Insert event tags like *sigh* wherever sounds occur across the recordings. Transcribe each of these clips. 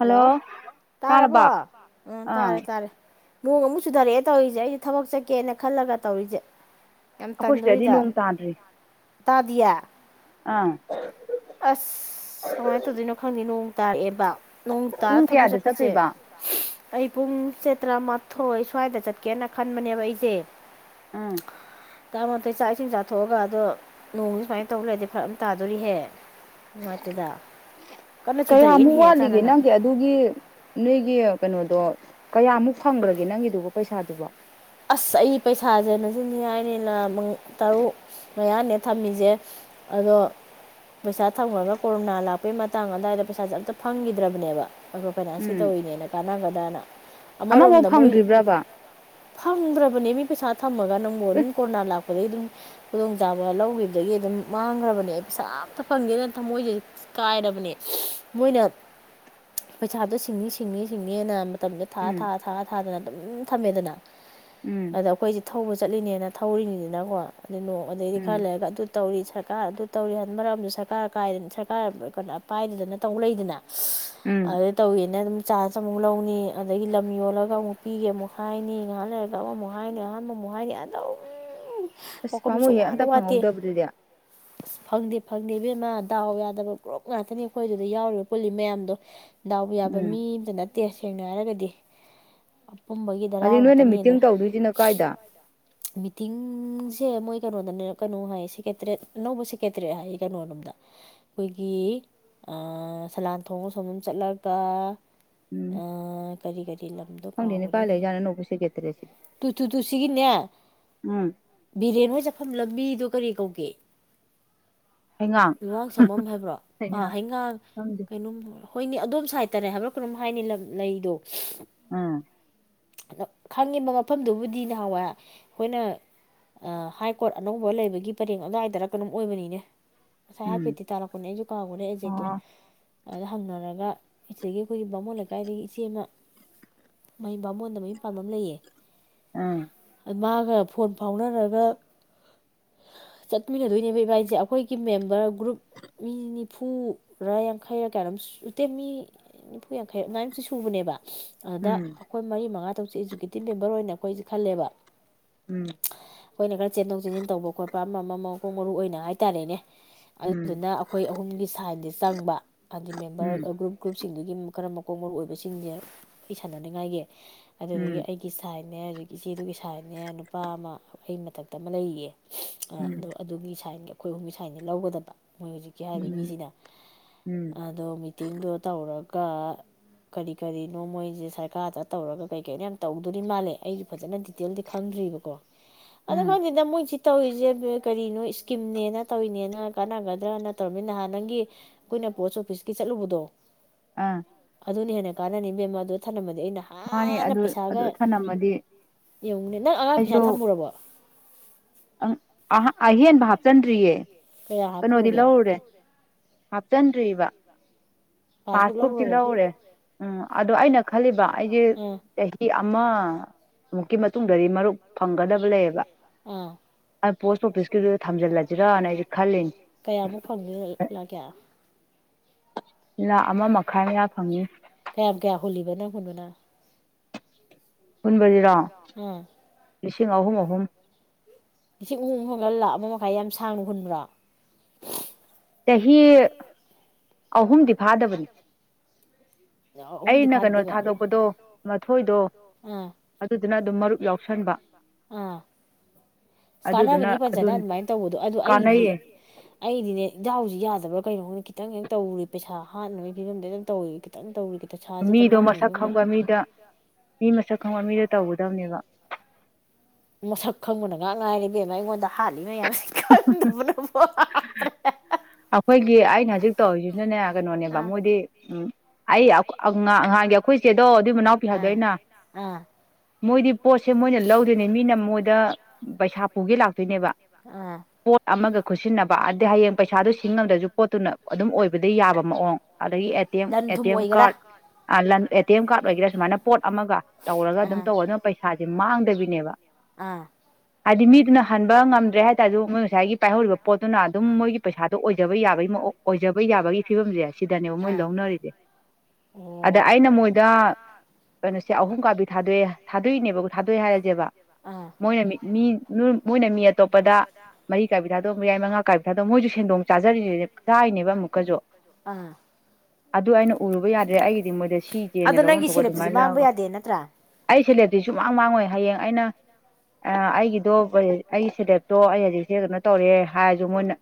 hello ꯇꯥꯔꯕꯣ ꯇꯥꯔꯕ ꯎ ꯑꯥ ꯇꯥꯔꯦ ꯇꯥꯔꯦ ꯃꯑꯣꯡ ꯑꯃꯨꯛ ꯁꯨꯊꯔꯛꯑꯦ ꯇꯧꯔꯤꯁꯦ ꯑꯩꯁꯦ ꯊꯕꯛ ꯆꯠꯀꯦꯅ ꯈꯜꯂꯒ ꯇꯧꯔꯤꯁꯦ ꯑꯩꯈꯣꯏ ꯁꯤꯗꯗꯤ ꯅꯣꯡ ꯇꯥꯗ꯭ꯔꯤ ꯇꯥꯗꯌꯥ ꯑꯥ ꯑꯁ ꯀꯃꯥꯏꯅ ꯇꯧꯗꯣꯏꯅꯣ ꯈꯪꯗꯦ ꯅꯣꯡ ꯇꯥꯔꯛꯑꯦꯕ ꯅꯣꯡ ꯇꯥ ꯄꯨꯡ ꯊꯕꯛ ꯀꯌꯥꯗ ꯆꯠꯄꯁꯦ ꯆꯠꯇꯣꯏꯕ ꯑꯩ ꯄꯨꯡ ꯆꯩ ꯇꯔꯥꯃꯊꯣꯏ ꯁ꯭ꯋꯥꯏꯗ ꯆꯠꯀꯦꯅ ꯈꯟꯕꯅꯦꯕ ꯑꯩꯁꯦ ꯑꯥ ꯇꯥꯃꯊꯣꯏ ꯆꯥꯛ ꯏꯁꯤꯡ ꯆꯥꯊꯣꯛꯑꯒ ꯑꯗꯣ ꯅꯣꯡꯗꯤ ꯁꯨꯃꯥꯏꯅ ꯇꯧ꯭ꯔꯗꯤ ꯐꯔ ꯑꯃ ꯇꯥꯗꯣꯔꯤꯍꯦ ꯅꯨꯡꯉꯥꯏꯇꯦꯗ ꯀꯟꯅ ꯀꯌꯥꯃꯨꯛ ꯆꯨꯊꯔꯛꯑꯦꯅꯦꯍꯦ ꯋꯥꯠꯂꯤꯒꯦ ꯑꯆꯥꯟꯅꯅ ꯅꯪꯒꯤ ꯑꯗꯨꯒꯤ ꯅꯣꯏꯒꯤ ꯀꯩꯅꯣꯗꯣ ꯀꯌꯥꯃꯨꯛ ꯐꯪꯈ꯭ꯔꯒꯦ ꯅꯪꯒꯤꯗꯨꯒ ꯄꯩꯁꯥꯗꯨꯕꯣ ꯑꯁ ꯑꯩ ꯄꯩꯁꯥꯁꯦꯅꯆꯅꯤ ꯍꯥꯏꯅꯤꯅ ꯇꯔꯨꯛ ꯃꯌꯥꯅꯦ ꯊꯝꯃꯤꯁꯦ ꯑꯗꯣ ꯄꯩꯁꯥ ꯊꯝꯈꯒ ꯀꯣꯔꯣꯅꯥ ꯂꯥꯛꯄꯩ ꯃꯇꯥꯡ ꯑꯗꯨꯋꯥꯏꯗ ꯄꯩꯁꯥꯁꯦ ꯑꯝꯇ ꯐꯪꯈꯤꯗ꯭ꯔꯕꯅꯦꯕ ꯑꯩꯈꯣꯏ ꯐꯥꯏꯅꯥꯟꯁꯀꯤ ꯎꯝ ꯇꯧꯔꯤꯅꯦꯅ ꯀꯥꯟꯅꯒꯗꯅ ꯑꯃꯐꯥꯎ ꯑꯃꯔꯣꯝꯗ ꯃꯣꯏ ꯐꯪꯗ꯭ꯔꯤꯕ꯭ꯔꯕ ꯐꯪꯗ꯭ꯔꯕꯅꯦ ꯃꯤ ꯄꯩꯁꯥ ꯊꯝꯃꯒ ꯅꯪꯕꯨꯣꯟ ꯅꯪ ꯀꯣꯔꯅꯥ ꯂꯥꯛꯄ ꯑꯗꯨꯩ ꯑꯗꯨꯝ ꯈꯨꯗꯣꯡꯆꯥꯕ ꯂꯧꯈꯤꯕꯗꯒꯤ ꯑꯗꯨꯝ ꯃꯥꯡꯈ꯭ꯔꯕꯅꯦ ꯑꯩ ꯄꯩꯁꯥ ꯑꯝꯇ ꯐꯪꯒꯦꯅ ꯊꯃꯣꯏꯁꯦ ꯀꯥꯏꯔꯕꯅꯦ ꯃꯣꯏꯅ ꯄꯩꯁꯥꯗꯣ ꯁꯤꯡꯅꯤ ꯁꯤꯡꯅꯤ ꯁꯤꯡꯅꯤꯅ ꯃꯇꯝꯒ ꯊꯥ ꯎꯝ ꯊꯥ ꯊꯥ ꯊꯥꯗꯅ ꯑꯗꯨꯝ ꯊꯝꯃꯦꯗꯅ ꯎꯝ ꯑꯗꯈꯣꯏ ꯊꯣ ꯊꯧꯕ ꯆꯠꯂꯤꯅꯦꯅ ꯊꯧꯔꯤꯉꯤꯁꯤꯅꯀꯣ ꯑꯗꯩ ꯅꯣꯡ ꯑꯗꯩꯗꯤ ꯎꯝ ꯈꯔ ꯂꯩꯔꯒ ꯑꯗꯨ ꯇꯧꯔꯤꯁꯦ ꯁꯔꯀꯥꯔ ꯑꯗꯨ ꯇꯧꯔꯤ ꯍꯥꯏꯕ ꯃꯔꯝꯁꯨ ꯁꯔꯀꯥꯔ ꯀ ꯁꯔꯀꯥꯔ ꯀꯩꯅꯣ ꯄꯥꯏꯗꯗꯅ ꯇꯧ ꯂꯩꯗꯅ ꯎꯝ ꯑꯗ ꯇꯧꯅ ꯑꯗꯨ ꯆꯥꯔꯖ ꯑꯃꯨꯛ ꯂꯧꯅꯤ ꯑꯗꯒꯤ ꯂꯝ ꯌꯣꯜꯂꯒ ꯑꯃꯨꯛ ꯄꯤꯒꯦ ꯑꯃꯨꯛ ꯍꯥꯏꯅꯤ ꯏꯍꯥꯟ ꯂꯩꯔꯒ ꯑꯃꯃꯨꯛ ꯍꯥꯏꯅꯤ ꯑꯍꯥꯟꯕ ꯑꯃꯨꯛ ꯍꯥꯏꯅꯤ ꯑꯍ ꯇꯧ ꯎ ꯑꯁ ꯄꯥꯃꯣꯏ ꯍꯦꯛ ꯑꯝꯇ ꯐꯪꯍꯧꯗꯕꯗꯨꯗꯤ ꯑꯁ ꯐꯪꯗꯦ ꯐꯪꯗꯦ ꯏꯕꯦꯝꯃ ꯗꯥꯎ ꯌꯥꯗꯕ ꯒ꯭ꯔꯨꯞ ꯉꯥꯛꯇꯅꯤ ꯑꯩꯈꯣꯏꯗꯨꯗ ꯌꯥꯎꯔꯤꯕ ꯄꯨꯜꯂꯤ ꯃꯌꯥꯝꯗꯣ ꯗꯥꯎꯕ ꯌꯥꯕ ꯎꯝ ꯃꯤꯗꯅ ꯠꯇꯦ ꯁꯦꯡꯅ ꯍꯥꯏꯔꯒꯗꯤ ꯍꯧꯖꯤꯛ ꯀꯨꯝꯕꯒꯤꯗꯔꯥꯒ ꯅꯣꯏꯅ ꯅꯦ ꯃꯤꯇꯤꯡ ꯑꯗꯨ ꯇꯧꯗꯣꯏꯁꯤꯅ ꯀꯥꯏꯗ ꯃꯤꯇꯤꯡꯁꯦ ꯃꯣꯏ ꯩꯅꯣꯗ ꯀꯩꯅꯣ ꯍꯥꯏ ꯁꯦꯀꯦꯇꯔꯦꯠ ꯑꯅꯧꯕ ꯁꯦꯀꯦꯇꯔꯦꯠ ꯍꯥꯏꯌꯦ ꯀꯩꯅꯣꯔꯣꯝꯗ ꯑꯩꯈꯣꯏꯒꯤ ꯁꯂꯥꯟꯊꯣꯡ ꯁꯣꯝꯕꯝ ꯆꯠꯂꯒ ꯀꯔꯤ ꯀꯔꯤ ꯂꯝꯗꯣ ꯍꯥꯎꯅꯤ ꯀꯥꯎꯈ꯭ꯔꯦꯅꯦꯍꯦ ꯄꯥꯂꯦꯖꯅꯅꯕꯨ ꯁꯤꯁꯤ ꯇꯨ ꯇꯨ ꯇꯨꯁꯤꯒꯤꯅꯦ ꯎꯝ ꯕꯤꯔꯦꯟ ꯍ ꯆꯠꯐꯝ ꯂꯝꯕꯤꯗ ꯀꯔꯤ ꯀꯧꯒꯦ ꯍꯩꯉꯥꯡ ꯂꯔꯥꯡ ꯁꯃꯝ ꯍꯥꯏꯕ꯭ꯔꯣ ꯑꯥ ꯍꯩꯉꯥꯡ ꯈꯪꯗꯦ ꯀꯩꯅꯣꯝꯕ꯭ꯔꯣ ꯍꯣꯏꯅꯤ ꯑꯗꯣꯝ ꯁꯥꯏ ꯇꯔꯦ ꯍꯥꯏꯕ꯭ꯔꯥ ꯀꯩꯅꯣꯝ ꯍꯥꯏꯅꯤ ꯂꯩꯗꯣ ꯑꯥ ꯑꯗꯣ ꯈꯪꯉꯤꯕ ꯃꯐꯝꯗꯨꯕꯨꯗꯤ ꯅꯍꯥꯟꯋꯥꯏ ꯑꯩꯈꯣꯏꯅ ꯍꯥꯏ ꯀꯣꯔꯠ ꯑꯅꯧꯕ ꯂꯩꯕꯒꯤ ꯄꯔꯦꯡ ꯑꯗꯨꯋꯥꯏꯗꯔ ꯀꯅꯝ ꯑꯣꯏꯕꯅꯤꯅꯦ ꯉꯁꯥꯏ ꯎꯝ ꯍꯥꯏꯄꯗꯤ ꯇꯥꯔꯛꯄꯅꯦ ꯑꯩꯁꯨ ꯀꯥꯎꯕꯅꯦ ꯑꯩꯖꯦꯗꯣ ꯑꯣ ꯑꯗ ꯍꯪꯅꯔꯒ ꯁꯤꯗꯒꯤ ꯑꯩꯈꯣꯏꯒꯤ ꯕꯥꯃꯣꯟ ꯂꯩꯀꯥꯏꯗꯒꯤ ꯏꯆꯦ ꯑꯃ ꯃꯩ ꯕꯥꯃꯣꯟꯗ ꯃꯌ ꯑꯄꯥꯝꯕ ꯑꯃ ꯂꯩꯌꯦ ꯑꯥ ꯃꯥꯒ ꯐꯣꯟ ꯐꯥꯎꯅꯔꯒ ꯆꯠꯃꯤꯟꯅꯗꯣꯏꯅꯦꯕ ꯏꯕꯥꯏꯁꯦ ꯑꯩꯈꯣꯏꯒꯤ ꯃꯦꯝꯕꯔ ꯒ꯭ꯔꯨꯞ ꯃꯤ ꯅꯤꯐꯨꯔꯥ ꯌꯥꯡꯈꯩꯔ ꯀꯥꯏꯩꯅꯣꯝ ꯎꯠꯇꯦ ꯃꯤ ꯅꯤꯐꯨ ꯌꯥꯡꯈꯩ ꯑꯗꯨꯥꯏꯇ ꯁꯨꯕꯅꯦꯕ ꯑꯗꯨꯗ ꯎꯝ ꯑꯩꯈꯣꯏ ꯃꯔꯤ ꯃꯉꯥ ꯧꯁꯦ ꯑꯦꯖꯨꯀꯦꯇꯤꯞ ꯃꯦꯝꯕꯔ ꯑꯣꯏꯅ ꯑꯩꯈꯣꯏꯁꯦ ꯈꯜꯂꯦꯕ ꯎꯝ ꯑꯩꯈꯣꯏꯅ ꯈꯔ ꯆꯦꯟꯊꯣꯛ ꯆꯦꯟꯁꯤꯟ ꯇꯧꯕ ꯈꯣꯠꯄ ꯄꯄꯥꯝꯝꯕ ꯑꯃ ꯃꯣꯛ ꯃꯔꯨ ꯑꯣꯏꯅ ꯍꯥꯏꯇꯥꯔꯦꯅꯦ ꯎꯝ ꯑꯗꯨꯗꯨꯅ ꯑꯩꯈꯣꯏ ꯑꯍꯨꯝꯒꯤ ꯁꯥꯏꯠꯇꯗꯤ ꯆꯪꯕ ꯍꯥꯏꯗꯤ ꯃꯦꯝꯕꯔ ꯎꯝ ꯒ꯭ꯔꯨꯞ ꯒ꯭ꯔꯨꯞꯁꯤꯡꯗꯨꯒꯤ ꯈꯔ ꯀꯣꯛ ꯃꯔꯨ ꯑꯣꯏꯕꯁꯤꯡꯁꯦ ꯑꯩ ꯁꯥꯟꯅꯅꯤꯡꯉꯥꯏꯒꯤ ꯑꯗꯨꯗꯒꯤ ꯎꯝ ꯑꯩꯒꯤ ꯁꯥꯏꯠ ꯅꯦ ꯍꯧꯖꯤꯛ ꯏꯆꯦꯗꯨꯒꯤ ꯁꯥꯏꯠꯅꯦ ꯅꯨꯄꯥ ꯑꯃ ꯑꯩ ꯃꯊꯛꯇ ꯑꯃ ꯂꯩꯌꯦ ꯑ ꯎꯝ ꯑꯗꯨꯒꯤ ꯁꯥꯏꯟꯒꯤ ꯑꯩꯈꯣꯏ ꯍꯨꯝ ꯁ꯭ꯥꯏꯅꯤ ꯂꯧꯒꯗꯕ ꯃꯣꯏ ꯍꯧꯖꯤꯛꯀꯤ ꯍꯥꯏꯔꯤꯕ ꯎꯝ ꯃꯤꯁꯤꯅ ꯎꯝ ꯑꯗꯣ ꯃꯤꯇꯤꯡꯗꯣ ꯇꯧꯔꯒ ꯀ ꯀꯔꯤ ꯀꯔꯤꯅꯣ ꯃꯣꯏꯁꯦ ꯁꯔꯀꯥꯔꯗ ꯇꯧꯔꯒ ꯀꯩ ꯀꯩꯅꯣ ꯌꯥꯝ ꯇꯧꯗꯣꯏꯔꯤ ꯃꯥꯜꯂꯦ ꯑꯩꯁꯨ ꯐꯖꯅ ꯗꯤꯇꯦꯜꯗꯤ ꯈꯪꯗ꯭ꯔꯤꯕꯀꯣ ꯑꯗ ꯎꯝ ꯀꯗ ꯃꯣꯏ ꯆꯤ ꯇꯧꯔꯤꯁꯦ ꯀꯔꯤꯅꯣ ꯏꯁꯀꯤꯝꯅꯦꯅ ꯇꯧꯔꯤꯅꯦꯅ ꯀꯥꯟꯅꯒꯗ꯭ꯔꯅ ꯇꯧꯔꯃꯤ ꯅꯍꯥꯟ ꯅꯪꯒꯤ ꯑꯩꯈꯣꯏꯅ ꯄꯣꯁ ꯑꯣꯐꯤꯁꯀꯤ ꯆꯠꯂꯨꯕꯗꯣ ꯑꯥ ꯑꯗꯨꯅ ꯍꯦꯟꯅ ꯀꯥꯟꯅꯅꯤ ꯃꯦꯝꯃ ꯑꯗꯨ ꯊꯝꯂꯝꯃꯗꯤ ꯑꯩꯅ ꯃꯥꯅꯦ ꯐꯅ ꯑꯗꯨ ꯄꯩꯁꯥꯒ ꯑꯗꯨ ꯊꯅꯝꯃꯗꯤ ꯌꯦꯡꯉꯨꯅꯦ ꯅꯪ ꯑꯉꯥꯡ ꯑꯩꯁꯨ ꯄꯩꯁꯥ ꯊꯝꯃꯨꯔꯕꯣ ꯑꯪ ꯑꯍ ꯑꯍꯦꯟꯕ ꯍꯥꯞꯆꯤꯟꯗ꯭ꯔꯤꯌꯦ ꯀꯌꯥꯥ ꯄꯨꯔꯒ ꯍꯥꯞꯆꯗꯔꯤꯕ ꯄꯥꯁꯕꯨꯛ ꯊꯤꯂ ꯎꯔꯦ ꯎꯝ ꯑꯗꯣ ꯑꯩꯅ ꯈꯜꯂꯤꯕ ꯑꯩꯁꯦ ꯑꯥ ꯆꯍꯤ ꯑꯃ ꯃꯇꯨꯡꯗꯗꯤ ꯃꯔꯨꯞ ꯐꯪꯒꯗꯕ ꯂꯩꯌꯦꯕ ꯑꯥ ꯑꯩ ꯄꯣꯁ ꯑꯣꯐꯤꯁꯀꯤꯗꯨꯗ ꯊꯝꯖꯤꯜꯂꯁꯤꯔꯅ ꯑꯩꯁꯦ ꯈꯜꯂꯤꯅꯤ ꯀꯌꯥꯃꯨꯛ ꯐꯪꯕꯤꯂꯒꯦ *unintelligible* ꯑꯃ ꯃꯈꯥꯏ ꯃꯌꯥ ꯐꯪꯅꯤ ꯀꯥꯏꯕ ꯀꯌꯥ ꯍꯣꯜꯂꯤꯕꯅ ꯍꯨꯅꯅ ꯄꯨꯟꯕꯗꯤꯔꯥ ꯑꯥ ꯂꯤꯁꯤꯡ ꯑꯍꯨꯝ ꯑꯍꯨꯝ ꯏꯁꯤꯡ ꯍꯨꯍꯣꯡ ꯍꯣꯡꯒꯜ ꯂꯥꯛꯕ ꯃꯈꯥꯏ ꯌꯥꯝ ꯁꯥꯡꯅ ꯍꯨꯟꯕ꯭ꯔꯥ ꯇꯍꯤ ꯑꯍꯨꯝꯗꯤ ꯑꯩꯅ ꯀꯩꯅꯣ ꯐꯥꯗꯦꯕ ꯊꯥꯗꯣꯛꯄꯗꯣ ꯃꯊꯣꯏꯗꯣ ꯑꯥ ꯑꯗꯨꯗꯨꯅ ꯑꯗꯨꯝ ꯃꯔꯨꯞ ꯌꯥꯎꯁꯟꯕ ꯑꯥ ꯑꯗꯨꯗꯨꯅ ꯀꯥꯟꯅꯕꯅꯤ ꯑꯗꯨ ꯐꯖꯅ ꯑꯗꯨꯃꯥꯏꯅ ꯇꯧꯕꯗꯣ ꯑꯗꯨ ꯑꯩꯒꯤꯗꯤ ꯀꯥꯟꯅꯩꯌꯦ ꯑꯩꯗꯤꯅꯦ ꯏꯖꯗꯥꯎꯁꯤ ꯌꯥꯗꯕ꯭ꯔꯥ ꯀꯩꯅꯣ ꯈꯤꯇꯪ ꯍꯦꯛ ꯇꯧꯔꯔꯤꯕ ꯄꯩꯁꯥ ꯍꯥꯠꯅꯕꯒꯤ ꯐꯤꯕꯝꯗ ꯑꯗꯨꯝ ꯇꯧꯋ ꯈꯤꯇꯪ ꯇꯧꯔꯤ ꯄꯩꯁꯥꯁꯦ ꯍꯦꯛꯇ ꯃꯤꯗꯣ ꯃꯥꯡꯉꯤ ꯃꯁꯛ ꯐꯤꯕꯝꯗ ꯈꯪꯕ ꯃꯤꯗ ꯃꯤ ꯃꯁꯛ ꯈꯪꯕ ꯃꯤꯗ ꯇꯧꯒꯗꯕꯅꯦꯕ ꯃꯁꯛ ꯈꯪꯕꯅ ꯉꯥꯡ ꯉꯥꯏꯔꯤꯕꯕꯦꯝꯃ ꯑꯩꯉꯣꯟꯗ ꯍꯥꯜꯂꯤ ꯌꯥꯝ ꯁꯤ ꯀ ꯇ ꯄꯨꯅ ꯄ ꯑꯠꯇ ꯑꯩꯈꯣꯏꯒꯤ ꯑꯩꯅ ꯍꯧꯖꯤꯛ ꯇꯧꯔꯤꯁꯤꯅꯅꯦ ꯀꯩꯅꯣꯅꯦꯕ ꯑꯥ ꯃꯣꯏꯗꯤ ꯎꯝ ꯑꯩ ꯑꯉꯥꯡꯒꯤ ꯑꯩꯈꯣꯏ ꯏꯆꯦꯗꯣ ꯑꯗꯨꯏ ꯃꯅꯥꯎ ꯄꯤꯍꯧꯗꯣꯏꯅ ꯑꯥ ꯃꯣꯏꯗꯤ ꯄꯣꯠꯁꯦ ꯃꯣꯏꯅ ꯂꯧꯗꯣꯏꯅꯦ ꯃꯤꯅ ꯃꯣꯏꯗ ꯄꯩꯁꯥ ꯄꯨꯒꯦ ꯂꯥꯛꯇꯣꯏꯅꯦꯕ ꯑꯥ ꯄꯣꯠ ꯑꯃꯒ ꯈꯨꯠꯁꯤꯟꯅꯕ ꯑꯗꯩ ꯍꯌꯦꯡ ꯄꯩꯁꯥꯗꯣ ꯤꯡꯝꯗꯁꯨ ꯄꯣꯠꯇꯨꯅ ꯑꯗꯨꯝ ꯑꯣꯏꯕꯗ ꯌꯥꯕ ꯃꯑꯣꯡ ꯑꯗꯒꯤ ꯑꯦꯇꯦꯝ ꯂꯟ ꯊꯨꯝ ꯑꯣꯏꯒꯦꯔꯥ ꯀꯔ ꯑꯦ ꯇꯤ ꯑꯦꯝ ꯀꯥꯔ ꯑꯣꯏꯒꯦꯔꯥ ꯁꯨꯃꯥꯏꯅ ꯄꯣꯠ ꯑꯃꯒ ꯇꯧꯔꯒ ꯑꯗꯨꯝ ꯑꯥ ꯇꯧꯕ ꯑꯗꯨꯅ ꯄꯩꯁꯥꯁꯦ ꯃꯥꯡꯗꯕꯤꯅꯦꯕ ꯑꯥ ꯍꯥꯏꯗꯤ ꯃꯤꯗꯨꯅ ꯍꯟꯕ ꯉꯝꯗ꯭ꯔꯦ ꯍꯥꯏꯕ ꯇꯔꯁꯨ ꯃꯣꯏ ꯉꯁꯥꯏꯒꯤ ꯄꯥꯏꯍꯧꯔꯤꯕ ꯄꯣꯠꯇꯨꯅ ꯑꯗꯨꯝ ꯃꯣꯏꯒꯤ ꯄꯩꯁꯥ ꯑꯣꯏꯖꯕ ꯌꯥꯕꯒꯤ ꯑꯣꯏꯖꯕ ꯌꯥꯕꯒꯤ ꯐꯤꯕꯝꯁꯦ ꯁꯤꯗꯅꯦꯕ ꯃꯣꯏ ꯂꯧꯅꯔꯤꯁꯦ ꯑꯗ ꯑꯩꯅ ꯃꯣꯏꯗ ꯀꯩꯅꯣꯁꯦ ꯑꯍꯨꯝ ꯀꯥꯕꯤ ꯊꯥꯗꯣꯛꯑꯦ ꯊꯥꯗꯣꯛꯅꯦꯕ ꯊꯥꯗꯣꯛꯑꯦ ꯍꯥꯏꯔꯁꯦꯕ ꯑꯥ ꯃꯣꯏꯅ ꯃꯤ ꯃꯤ ꯃꯣꯏꯅ ꯃꯤ ꯑꯇꯣꯞꯄꯗ ꯃꯔꯤ ꯀꯥꯕꯤ ꯊꯥꯗꯣꯛ ꯃꯌꯥꯏ ꯃꯉꯥ ꯀꯥꯏꯕꯤ ꯊꯥꯗꯣꯛꯑꯣ ꯃꯣꯏꯁꯨ ꯁꯦꯟꯗꯣꯡ ꯆꯥꯖꯔꯤꯅꯦ ꯆꯥꯔꯤꯅꯦꯕ ꯗꯥꯔꯤꯁꯤꯅꯦꯕ ꯑꯃꯨꯛꯀꯁꯨ ꯑ ꯑꯗꯨ ꯑꯩꯅ ꯎꯔꯨꯕ ꯌꯥꯗ꯭ꯔꯦ ꯑꯩꯒꯤꯗꯤ ꯃꯣꯏꯗ ꯁꯤꯖꯦꯅ ꯑꯗꯣ ꯂꯧꯐꯝ ꯅꯪꯒꯤ ꯊꯣꯛꯑ ꯁꯦꯂꯦꯞꯇꯨꯗꯤ ꯑꯗꯨꯃꯥꯏꯅ ꯃꯥꯡꯕ ꯂꯧꯔꯒ ꯌꯥꯗꯦ ꯅꯠꯇ꯭ꯔꯥ ꯑꯩ ꯁꯦꯂꯦꯞꯇꯤ ꯁꯨꯃꯥꯡ ꯃꯥꯡꯉꯣꯏ ꯍꯌꯦꯡ ꯑꯩꯅ ꯑꯩꯒꯤꯗꯣ ꯑꯩꯒꯤ ꯁꯦꯂꯦꯞꯇꯣ ꯑꯩ ꯍꯧꯖꯤꯛꯁꯦ ꯀꯩꯅꯣ ꯇꯧꯔꯦ ꯍꯥꯏꯔꯁꯨ ꯃꯣꯏꯅ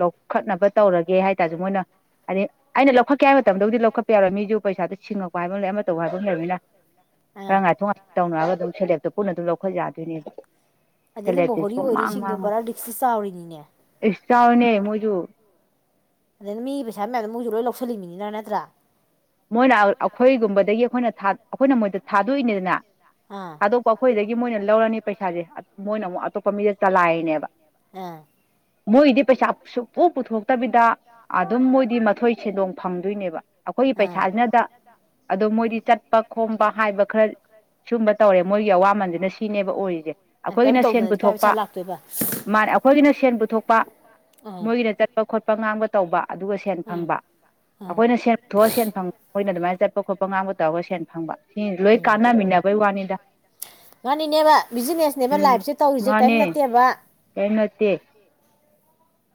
ꯂꯧ ꯈꯠꯅꯕ ꯇꯧꯔꯒꯦ ꯍꯥꯏ ꯃꯣꯏꯅ ꯑꯗꯤ ꯑꯩꯅ ꯂꯧꯈꯠꯀꯦ ꯍꯥꯏ ꯃꯇꯝꯗꯕꯨꯗꯤ ꯂꯧꯈꯠꯄ ꯌꯥꯔꯣꯏ ꯃꯤꯁꯨ ꯄꯩꯁꯥꯗ ꯁꯤꯡꯉꯛꯄ ꯍꯥꯏꯕ ꯂꯩ ꯑꯃ ꯇꯧꯕ ꯍꯥꯏꯐꯝ ꯂꯩꯔꯅꯤꯅ ꯑꯥ ꯈꯔ ꯉꯥꯏꯊꯣꯛ ꯉꯥꯏꯇ ꯇꯧꯅꯔꯒ ꯑꯗꯨꯝ ꯁꯦꯂꯦꯞꯇꯣ ꯄꯨꯟꯅ ꯑꯗꯨꯝ ꯂꯧꯈꯠ ꯌꯥꯗꯣꯏꯅꯦ ꯑꯗꯩꯗꯤ ꯁꯦꯂꯦꯞꯇꯤ ꯃꯣꯍꯣꯔꯤ ꯁꯨꯡ ꯃꯥꯡ ꯑꯣꯏꯔꯤꯁꯤꯡꯗꯣ ꯃꯥꯡꯉ ꯄꯨꯔꯥ ꯔꯤꯛꯁꯇꯤ ꯆꯥꯎꯔꯤꯅꯤꯅꯦ ꯆꯥꯎꯅꯦꯣꯏ ꯌ ꯑꯗꯨꯗꯅ ꯃꯤꯒꯤ ꯄꯩꯁꯥ ꯃꯌꯥꯝꯗꯣ ꯃꯣꯏꯛꯁꯨ ꯂꯣꯏ ꯂꯧꯁꯤꯜꯂꯤꯃꯤꯅꯤꯅ ꯅꯠꯇ꯭ꯔꯥ ꯃꯣꯏꯅ ꯑꯩꯈꯣꯏꯒꯨꯝꯕꯗꯒꯤ ꯑꯩꯈꯣꯏꯅ ꯑꯩꯈꯣꯏꯅ ꯃꯣꯏꯗ ꯊꯥꯗꯣꯛꯏꯅꯤꯗꯅ ꯑꯥ ꯊꯥꯗꯣꯛꯄ ꯑꯩꯈꯣꯏꯗꯒꯤ ꯃꯣꯏꯅ ꯂꯧꯔꯅꯤ ꯄꯩꯁꯥꯁꯦ ꯃꯣꯏꯅ ꯑꯃꯨꯛꯞ ꯐ ꯆꯂꯥꯏꯅꯦꯕ ꯑꯥ ꯃꯣꯏꯗꯤ ꯄꯩꯁꯥ ꯁꯄꯣꯛ ꯄꯨꯊꯣꯛꯇꯕꯤꯗ ꯑꯗꯨꯝ ꯃꯣꯏꯗꯤ ꯃꯊꯣꯏ ꯁꯦꯟꯗꯣꯡ ꯐꯪꯗꯣꯏꯅꯦꯕ ꯑꯩꯈꯣꯏ ꯑꯥ ꯄꯩꯁꯥꯁꯤꯅꯗ ꯑꯗꯨꯗꯣ ꯃꯣꯏꯗꯤ ꯆꯠꯄ ꯈꯣꯝꯕ ꯍꯥꯏꯕ ꯈꯔ ꯁꯨꯝꯕ ꯇꯧꯔꯦ ꯃꯣꯏꯒꯤ ꯑꯋꯥꯃꯟꯁꯤꯅ ꯁꯤꯅꯦꯕ ꯑꯣꯏꯔꯤꯁꯦ ꯀꯩꯝ ꯑꯩꯈꯣꯏꯒꯤꯅ ꯁꯦꯟ ꯇꯧꯗꯅꯗꯤ ꯀꯥꯏ ꯄꯩꯁꯥ ꯄꯨꯊꯣꯛꯄ ꯂꯥꯛꯇꯣꯏꯕ ꯃꯥꯅꯦ ꯑꯩꯈꯣꯏꯒꯤꯅ ꯁꯦꯟ ꯄꯨꯊꯣꯛꯄ ꯑꯥ ꯃꯣꯏꯒꯤꯅ ꯆꯠꯄ ꯈꯣꯠꯄ ꯉꯥꯡꯕ ꯇꯧꯕ ꯑꯗꯨꯒ ꯁꯦꯟ ꯑꯥ ꯐꯪꯕ ꯑꯥ ꯑꯩꯈꯣꯏꯅ ꯁꯦꯟ ꯄꯨꯊꯣꯛꯑ ꯁꯦꯟ ꯑꯩꯈꯣꯏꯅ ꯑꯗꯨꯃꯥꯏꯅ ꯆꯠꯄ ꯈꯣꯠꯄ ꯉꯥꯡꯕ ꯇꯧꯔꯒ ꯁꯦꯟ ꯐꯪꯕ ꯁꯤ ꯂꯣꯏ ꯎꯝ ꯀꯥꯟꯅꯃꯤꯟꯅꯕꯩ ꯋꯥꯅꯤꯗ ꯉꯥꯅꯤꯅꯦꯕ ꯕꯤꯖꯤꯅꯦꯁꯅꯦꯕ ꯎꯝ ꯂꯥꯏꯐꯁꯦ ꯇꯧꯔꯤꯁꯦ ꯀꯔꯤꯝ ꯃꯥꯅꯦ ꯅꯠꯇꯦꯕ ꯀꯔꯤꯝ ꯅꯠꯇꯦ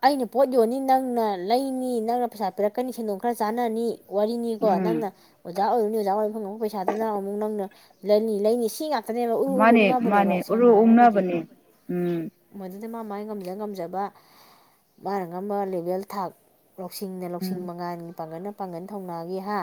ꯑꯩꯅ ꯄꯣ ꯌꯣꯅꯤ ꯅ ꯅꯪꯅ ꯂꯩꯅꯤ ꯅꯪꯅ ꯄꯩꯁꯥ ꯄꯤꯔꯛꯀꯅꯤ ꯁꯦꯟꯗꯣꯡ ꯈꯔ ꯆꯥꯅꯅꯤ ꯋꯥꯔꯤꯅꯤꯀꯣ ꯎꯝ ꯅꯪꯅ ꯑꯣ ꯑꯣꯖꯥ ꯑꯣꯏꯗꯣ ꯅꯣꯏ ꯑꯣꯖꯥ ꯑꯣꯏꯔꯝ ꯐꯪꯉꯕ ꯄꯩꯁꯥꯗꯨꯅ ꯑꯃꯨꯛ ꯅꯪꯅ ꯂꯩꯅꯤ ꯂꯩꯅꯤ ꯁꯤ ꯉꯥꯛ ꯐꯅꯦꯕ ꯎꯔꯨ ꯎꯔꯨ ꯃꯥꯅꯦ ꯃꯥꯅꯦ ꯎꯛꯅꯕꯅꯦꯕ ꯎꯔꯨ ꯁꯦꯡꯅ ꯍꯥꯏꯔꯒꯗꯤ ꯎꯪꯅꯕꯅꯦ ꯎꯝ ꯑꯗꯨꯗ ꯃꯥ ꯃꯥꯏ ꯉꯝꯖ ꯉꯝꯖꯕ ꯃꯥꯅ ꯉꯝꯕ ꯂꯦꯚꯦꯜ ꯊꯥꯛ ꯂꯧꯁꯤꯡꯅ ꯂꯧꯁꯤꯡ ꯎꯝ ꯃꯉꯥꯒꯤ ꯄꯥꯡꯒꯠꯅ ꯄꯥꯡꯒꯟ ꯊꯧꯅꯥꯒꯤ ꯍꯥ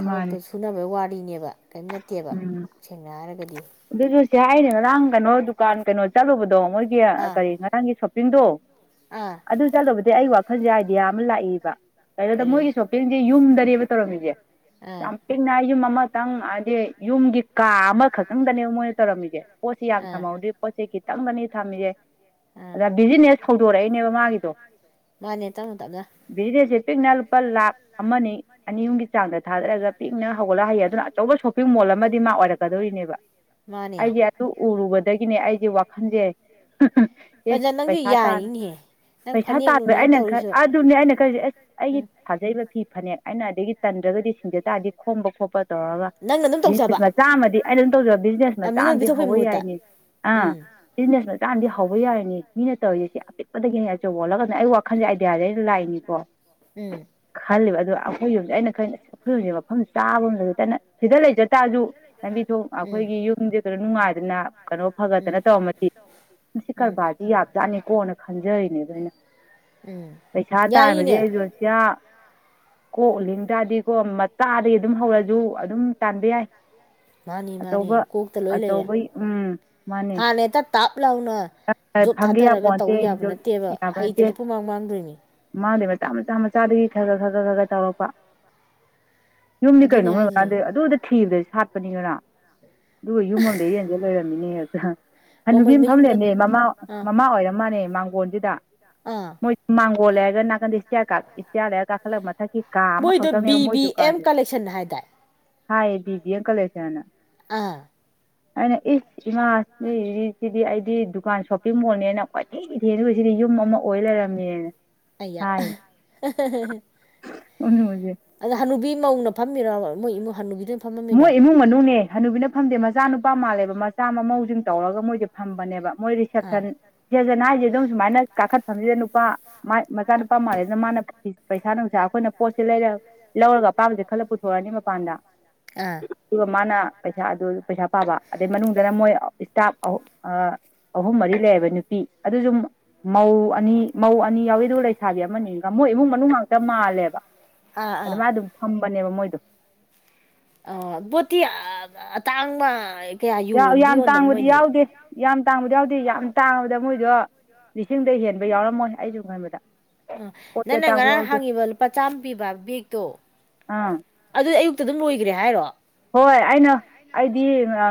ꯊꯕꯛꯇꯣ ꯁꯨꯅꯕꯩ ꯋꯥ ꯀꯅꯦꯕ ꯀꯔꯤꯝ ꯅꯠꯇꯦꯕ ꯎꯝ ꯁꯦꯡꯅ ꯍꯥꯏꯔꯒꯗꯤ ꯑꯗꯨꯁꯨ ꯁꯤ ꯍꯥꯏꯅꯦ ꯉꯔꯥꯡ ꯀꯩꯅꯣ ꯗꯨꯀꯥꯟ ꯀꯩꯅꯣ ꯆꯠꯂꯨꯕꯗꯣ ꯑꯗꯣ ꯃꯣꯏꯒꯤ ꯑꯥ ꯀꯔꯤ ꯉꯔꯥꯡꯒꯤ ꯁꯣꯄꯤꯡꯗꯣ ꯑꯥ ꯑꯗꯨ ꯆꯠꯂꯕꯗꯤ ꯑꯩ ꯋꯥꯈꯜꯁꯦ ꯍꯥꯏ ꯗꯤꯌꯥ ꯑꯃ ꯂꯥꯛꯏꯕ ꯀꯩꯅꯣꯗ ꯀꯔꯤ ꯃꯣꯏꯒꯤ ꯁꯣꯞꯄꯤꯡꯁꯦ ꯌꯨꯝꯗ ꯂꯩꯕ ꯇꯧꯔꯝꯒꯦ ꯑꯥ ꯆꯝꯄꯅ ꯃ ꯑꯃꯇꯪ ꯍꯥꯏꯗꯤ ꯌꯨꯝꯒꯤ ꯀꯥ ꯑꯃꯈꯛ ꯈꯪꯗꯅꯦꯕ ꯃꯣꯏꯅ ꯇꯧꯔꯝꯃꯤꯁꯦ ꯄꯣꯠꯦ ꯌꯥꯝ ꯑꯥ ꯊꯍꯧꯗ꯭ꯔꯤ ꯄꯣꯠꯁꯦ ꯈꯤꯇꯪꯒꯅꯤ ꯊꯝꯃꯤꯁꯦ ꯑꯥ ꯑꯗꯨꯗ ꯕꯤꯖꯤꯅꯦꯁ ꯍꯧꯗꯣꯔꯛꯏꯅꯦꯕ ꯃꯥꯒꯤꯗꯣ ꯃꯥꯅꯦ ꯇꯞꯅ ꯇꯞꯅ ꯕꯤꯖꯤꯅꯦꯁꯁꯦ ꯄꯤꯛꯅ ꯂꯨꯄꯥ ꯂꯥꯛꯈ ꯑꯃ ꯑꯅꯤ ꯑꯍꯨꯝꯒꯤ ꯆꯥꯡꯗ ꯊꯥꯗꯔꯒ ꯄꯤꯛꯅ ꯍꯧꯒꯠꯂ ꯍꯩꯌꯦ ꯑꯗꯨꯅ ꯑꯆꯧꯕ ꯁꯣꯞꯄꯤꯡ ꯃꯣꯜ ꯑꯃꯗꯤ ꯃꯥ ꯑꯣꯏꯔꯛꯀꯗꯧꯔꯤꯅꯦꯕ ꯃꯥꯅꯦ ꯑꯩꯁꯦ ꯑꯗꯨ ꯎꯔꯨꯕꯗꯒꯤꯅꯦ ꯑꯩꯁꯦ ꯋꯥꯈꯜꯁꯦ ꯑꯦꯁ ꯄꯟꯖ ꯅꯪꯁꯨ ꯄꯩꯁꯥ ꯇꯥꯅꯤ ꯌꯥꯔꯤꯅꯦꯍꯦ ꯅꯪ ꯄꯩꯁꯥ ꯐꯅꯦꯛ ꯇꯥꯟꯕ ꯅꯨꯡꯅꯦꯛ ꯑꯩꯅ ꯈ ꯇꯧꯔꯤꯁꯨ ꯑꯗꯨꯅꯦ ꯑꯩꯅ ꯈꯜꯁ ꯑꯦꯁ ꯑꯩꯒꯤ ꯎꯝ ꯊꯥꯖꯕ ꯐꯤ ꯐꯅꯦꯛ ꯑꯩꯅ ꯑꯗꯒꯤ ꯇꯟꯗ꯭ꯔꯒꯗꯤ ꯁꯤꯡꯗ ꯇꯥꯔꯗꯤ ꯈꯣꯝꯕ ꯈꯣꯠꯄ ꯇꯧꯔꯒ ꯅꯪꯅ ꯑꯗꯨꯝ ꯕꯤꯖꯤꯅꯦ ꯇꯧꯖꯕ ꯃꯆꯥ ꯑꯃꯗꯤ ꯑꯩ ꯑꯗꯨꯝ ꯇꯧꯖ ꯕꯤꯖꯤꯅꯦꯖ ꯃꯆꯥ ꯃꯤꯉꯣꯟ ꯑꯝꯗꯤ ꯄꯤꯊꯣꯛꯄꯩ ꯍꯧꯕ ꯃꯍꯨꯠꯇ ꯌꯥꯏꯅꯤ ꯑꯥ ꯎꯝ ꯕꯤꯖꯤꯅꯦꯖ ꯃꯆꯥ ꯑꯝꯗꯤ ꯍ ꯍꯧꯕ ꯌꯥꯔꯤꯅꯤ ꯃꯤꯅ ꯇꯧꯔꯤꯁꯦ ꯑꯄꯤꯛꯄꯗꯒꯤꯅꯦ ꯑꯆꯧꯕ ꯑꯣꯜꯂꯒꯅꯦ ꯑꯩ ꯋꯥꯈꯟꯖꯦ ꯑꯥꯏꯗꯤꯌꯥꯖꯦ ꯑꯩꯅ ꯂꯥꯛꯏꯅꯤꯀꯣ ꯎꯝ ꯈꯜꯂꯦꯕ ꯑꯗꯣ ꯑꯩꯈꯣꯏ ꯌꯨꯝꯁꯦ ꯑꯩꯅ ꯈꯅꯁꯤ ꯈꯨꯜꯖꯦ ꯃꯐꯝ ꯆꯥꯕ ꯑꯃ ꯂꯩꯇꯅ ꯁꯤꯗ ꯂꯩꯖ ꯇꯥꯔꯖꯨ ꯂꯝꯕꯤꯖꯨ ꯑꯥꯎ ꯎꯝ ꯑꯩꯈꯣꯏꯒꯤ ꯌꯨꯝꯖꯦ ꯇꯧꯔ ꯅꯨꯡꯉꯥꯏ ꯑꯗꯨꯅ ꯀꯩꯅꯣ ꯎꯝ ꯐꯒꯠꯇꯅ ꯇꯧꯔꯝꯃꯗꯤ ꯃꯁꯤ ꯎꯝ ꯀꯔꯕꯥꯔꯁꯤ ꯌꯥꯝ ꯆꯥꯠꯅꯤꯀꯣꯅ ꯈꯟꯖꯔꯤꯅꯦꯕ ꯑꯩꯅ ꯎꯝ ꯄꯩꯁꯥ ꯇꯥꯟꯕꯁꯦ ꯌꯥꯏꯅꯦ ꯑꯦꯖꯣꯟꯁꯤꯌꯥ ꯀꯣꯛ ꯂꯤꯡꯖꯥꯗꯤꯀꯣ ꯃꯥꯗꯒꯤ ꯑꯗꯨꯝ ꯍꯧꯔꯁꯨ ꯑꯗꯨꯝ ꯇꯥꯟꯕ ꯌꯥꯏ ꯃꯥꯅꯤ ꯃꯥꯅꯤ ꯑꯆꯧꯕ ꯀꯣꯛꯇ ꯂꯣꯏ ꯂꯩꯔꯦ ꯑꯆꯧꯕ ꯎꯝ ꯃꯥꯅꯦ ꯍꯥꯟꯅ ꯍꯦꯛꯇ ꯇꯥꯞ ꯂꯥꯎꯅ ꯖꯣꯠ ꯐꯪꯒꯦ ꯊꯥꯗꯔꯒ ꯌꯥꯄꯣꯟꯇꯦ ꯇꯧꯕ ꯌꯥꯕ ꯅꯠꯇꯦꯕ ꯌꯥꯕ ꯍꯩꯇ꯭ꯔꯗꯤ ꯅꯠꯇꯦ ꯄꯨꯃꯥꯡ ꯃꯥꯡꯗꯣꯏꯅꯤ ꯃꯥꯡꯗꯩ ꯃꯆꯥ ꯃꯆꯥ ꯃꯆꯥꯗꯒꯤ ꯈ ꯈꯔ ꯈꯔ ꯈꯔ ꯈ ꯈꯔ ꯇꯧꯔꯛꯄ ꯌꯨꯝꯅꯤ ꯑꯗꯨꯅꯦ ꯀꯩꯅꯣ ꯃꯣꯏ ꯍꯥꯏꯁꯦ ꯃꯈꯥꯗꯨ ꯑꯗꯨꯗ ꯊꯤꯕꯗ ꯑꯩ ꯁꯥꯠꯄꯅꯤ ꯉꯔꯥꯡ ꯑꯗꯨꯒ ꯌꯨꯝꯑꯝꯗ ꯏꯔꯦꯟꯖꯟꯅ ꯂꯩꯔꯝꯃꯤꯅꯦ ꯍꯦꯛꯇ ꯑꯣ ꯍꯅꯨꯕꯤ ꯃꯣꯏ ꯑꯝ ꯐꯝ ꯃꯌꯨꯝꯗ ꯂꯩꯔꯝꯃꯦ ꯃꯃꯥ ꯑꯥ ꯃꯃꯥ ꯑꯣꯏꯔ ꯃꯥꯅꯦ ꯃꯥꯡꯒꯣꯟꯖꯤꯗ ꯑꯥ ꯃꯣꯏ ꯃꯥꯡ ꯑꯣ ꯂꯩꯔꯒ ꯅꯥꯀꯟꯗꯩ ꯏꯁꯇꯤꯌꯥꯔ ꯀꯥꯛ ꯏꯁꯇꯤꯌꯥꯔꯗꯩꯒ ꯀꯥꯈꯠꯂ ꯃꯊꯛꯀꯤ ꯀꯥ ꯃꯣꯏꯗꯣ ꯑꯃꯈꯛꯇꯪꯅꯦꯕ ꯕꯤ ꯃꯣꯏ ꯕꯤ ꯑꯦꯝ ꯗꯨꯀꯥꯟꯖꯦ ꯀꯂꯦꯛꯁꯟ ꯍꯥꯏꯗꯥꯏ ꯍ ꯕꯤꯗꯤ ꯑꯦ ꯀꯂꯦꯁꯅ ꯑ ꯑꯩꯅ ꯏꯁ ꯏꯃꯥ ꯅꯣꯏꯖꯤꯗꯤ ꯁꯤꯗꯤ ꯑꯩꯗꯤ ꯗꯨꯀꯥꯟ ꯁꯣꯞꯄꯤꯡ ꯃꯣꯜꯅꯦꯅ ꯀꯣꯏꯊꯤ ꯊꯤꯔꯤꯅꯤ ꯑꯗꯨꯒ ꯁꯤꯗꯤ ꯌꯨꯝ ꯑꯃ ꯑꯣꯏ ꯂꯩꯔꯝꯃꯦꯅ ꯑꯌꯥ ꯑꯍ ꯑꯍ ꯑꯍ ꯑꯍ ꯑꯣꯏꯅꯤ ꯑꯣꯏꯅꯤ ꯑꯗ ꯍꯅꯨꯕꯤ ꯃꯧꯅ ꯐꯝꯃꯤꯔꯥꯕ ꯃꯣꯏ ꯏꯃ ꯍꯥꯟ ꯅꯨꯕꯤꯗ ꯃꯣꯏ ꯏꯃꯨꯡ ꯃꯅꯨꯡꯅꯦ ꯍꯅꯨꯕꯤꯅ ꯐꯝꯗꯦ ꯃꯆꯥꯅꯨ ꯄꯥ ꯃꯥꯜꯂꯦꯕ ꯃꯆꯥ ꯃꯃꯧꯖꯤꯡ ꯇꯧꯔꯒ ꯃꯣꯏꯖꯦ ꯐꯝꯕꯅꯦꯕ ꯃꯣꯏ ꯔꯤꯁꯦꯞꯁꯟ ꯑꯥ ꯁꯦꯖꯟ ꯍꯥꯏꯖꯦ ꯑꯗꯨꯝ ꯁꯨꯃꯥꯏꯅ ꯀꯥꯈꯠꯐꯝꯖꯤꯗ ꯅꯨꯄꯥ ꯃꯥꯏ ꯃꯆꯥꯅꯨꯄꯥ ꯃꯥꯜꯂꯤ ꯑꯗꯨꯅ ꯃꯥꯅ ꯄꯩꯁꯥ ꯅꯨꯡꯁꯥ ꯑꯈꯣꯏꯅ ꯄꯣꯠꯁꯦ ꯂꯩꯔ ꯂꯧꯔꯒ ꯑꯄꯥꯝꯕꯁꯦ ꯈꯜꯂ ꯄꯨꯊꯣꯛꯑꯅꯤ ꯃꯄꯥꯟꯗ ꯑꯥ ꯑꯗꯨꯒ ꯃꯥꯅ ꯄꯩꯁꯥ ꯑꯗꯨ ꯄꯩꯁꯥ ꯄꯥꯕ ꯑꯗꯩ ꯃꯅꯨꯡꯗꯅ ꯃꯣꯏ ꯏꯁꯇꯥꯞ ꯑꯍꯨ ꯑꯥ ꯑꯍꯨꯝ ꯃꯔꯤ ꯂꯩꯑꯕ ꯅꯨꯄꯤ ꯑꯗꯨꯁꯨꯨ ꯃꯧ ꯑꯅꯤ ꯃꯧ ꯑꯅꯤ ꯌꯥꯎꯋꯤ ꯑꯗꯨꯒ ꯂꯩ ꯁꯥꯥꯕꯤ ꯑꯃꯅꯤꯒ ꯃꯣꯏ ꯏꯃꯨꯡ ꯃꯅꯨꯡ ꯉꯥꯛꯇ ꯃꯥꯜꯂꯦꯕ ꯑꯥ ꯑꯥ ꯑꯗꯨꯃꯥꯏꯅ ꯑꯗꯨꯝ ꯐꯝ ꯄꯅꯦꯕ ꯃꯣꯏꯗꯨ ꯑ ꯄꯣꯠꯇ ꯇꯥꯥꯡ ꯃꯥ ꯌꯥꯝ ꯇꯥꯡꯕꯗꯤ ꯌꯥꯎꯗꯦ ꯌꯥꯝ ꯇꯥꯡꯕꯗꯤ ꯌꯥꯎꯗꯤ ꯌꯥꯝ ꯇꯥꯡꯉꯕꯗ ꯃꯣꯏꯗꯣ ꯂꯤꯁꯤꯡꯗ ꯍꯦꯟꯕ ꯌꯥꯎꯔꯝꯃꯣꯏ ꯑꯩ ꯁꯨꯝ ꯈꯟꯕꯗ ꯑ ꯄꯣꯠꯇꯤ ꯅꯪꯅ ꯑꯇꯥꯡꯕ ꯉꯔꯥꯡ ꯌꯥꯎꯗꯦ ꯍꯥꯡꯉꯤꯕ ꯂꯨꯄꯥ ꯆꯥꯝꯃ ꯄꯤꯕ ꯕꯦꯒꯛꯇꯣ ꯑꯥ ꯑꯗꯨ ꯑꯌꯨꯛꯇ ꯑꯗꯨꯝ ꯂꯣꯏꯈ꯭ꯔꯦ ꯍꯥꯏꯔꯣ ꯍꯣꯏ ꯑꯩꯅ ꯑꯩꯗꯤ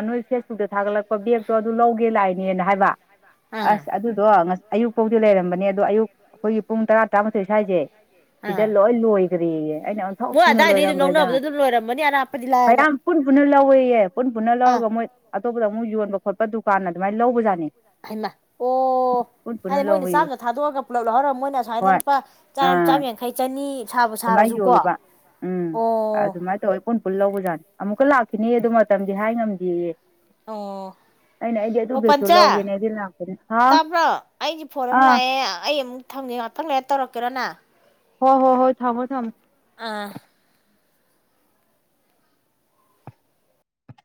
ꯅꯣꯏ ꯐꯦꯁꯕꯨꯛꯇ ꯊꯥꯒꯠꯂꯛꯄ ꯄꯕꯛꯇꯣ ꯑꯗꯨ ꯂ ꯂꯧꯒꯦꯂꯥꯏ ꯅꯦꯅ ꯍꯥꯏꯕ ꯑꯥ ꯑꯁ ꯑꯗꯨꯗꯣꯁ ꯑꯌꯨꯛ ꯐꯥꯎꯗꯤ ꯂꯩꯔꯝꯕꯅꯦ ꯑꯗꯣ ꯑꯌꯨꯛ ꯑꯩꯈꯣꯏꯒꯤ ꯄꯨꯡ ꯇꯔꯥ ꯇꯔꯥꯃꯥꯊꯣꯏ ꯁ꯭ꯋꯥꯏꯁꯦ ꯏ ꯑꯥ ꯂꯣ ꯂꯣꯣꯏ ꯀꯔꯤꯦ ꯃꯣꯏ ꯑꯗꯨꯗꯥꯏꯗꯩ ꯑꯗꯨ ꯅ ꯂꯧꯅꯕꯗ ꯑꯗꯨꯝꯣꯏꯔꯝꯃꯅꯤ ꯑꯔꯥꯞꯄꯗꯤ ꯂ ꯃꯌꯥꯝ ꯄꯨꯟ ꯄꯨꯟꯅ ꯂꯧꯋꯦꯌꯦ ꯄꯨꯟ ꯄꯨꯟꯅ ꯑꯥ ꯂꯧꯔꯒ ꯃꯣꯏ ꯑꯇꯣꯞꯄꯗ ꯑꯃꯨꯛ ꯌꯣꯟꯕ ꯈꯣꯠꯄ ꯗꯨꯀꯥꯟ ꯑꯗꯨꯃꯥꯏꯅ ꯂꯧꯕꯖꯥꯠꯅꯤ ꯍꯥꯏꯃ ꯑꯣ ꯄꯨꯟ ꯄꯨꯟꯅ ꯍꯥꯏꯗꯤ ꯃꯣꯏꯅ ꯂꯧꯋꯦꯌꯦ ꯆꯥꯝꯃꯗ ꯊꯥꯗꯣꯛꯑꯒ ꯄꯨꯂꯞ ꯂꯧꯍꯧꯒ ꯃꯣꯏꯅ ꯁꯨꯃꯥꯏꯗ ꯍꯣꯏ ꯂꯨꯄꯥ ꯑꯥ ꯆꯥꯝ ꯌꯥꯡꯈꯩ ꯆꯅꯤ ꯁꯥꯕ ꯑꯗꯨꯃꯥꯏꯅ ꯁꯥꯔꯁꯨꯀꯣ ꯌꯣꯜꯂꯨꯕ ꯎꯝ ꯑꯣ ꯑꯗꯨꯃꯥꯏꯅ ꯇꯧꯔ ꯄꯨꯟ ꯄꯨꯟ ꯂꯧꯕꯖꯥꯠꯅꯤ ꯑꯃꯨꯛꯀ ꯂꯥꯛꯈꯤꯅꯤ ꯑꯗꯨ ꯃꯇꯝꯗꯤ ꯍꯥꯏ ꯉꯝꯗꯦꯌꯦ ꯑꯣ ꯑꯩꯅ ꯑꯩꯗꯤ ꯑꯗꯨ ꯑꯣ ꯕꯦꯒꯇꯨ ꯄꯟꯆꯥ ꯂꯧꯒꯦꯅꯦ ꯑꯩꯗꯤ ꯂꯥꯛꯄꯅꯤ ꯍꯥꯎ ꯇꯥꯕ꯭ꯔꯣ ꯑꯩꯁꯦ ꯐꯣꯟ ꯑꯃ ꯑꯥ ꯂꯥꯛꯑꯦ ꯑꯩ ꯑꯃꯨꯛ ꯊꯝꯒꯦ ꯉꯥꯛꯇꯪ ꯂꯩ ꯇꯧꯔꯛꯀꯦꯔꯣꯅ ꯍꯣ ꯍꯣ ꯍꯣꯏ ꯊꯥꯡꯃꯣ ꯊꯝꯃ ꯑꯥ